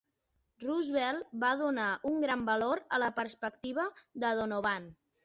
Roosevelt va donar un gran valor a la perspectiva de Donovan.